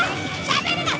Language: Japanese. しゃべるな！